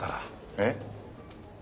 えっ？